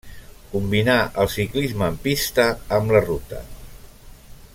Combinà el ciclisme en pista amb la ruta.